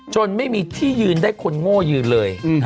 ไม่มีที่ยืนได้คนโง่ยืนเลย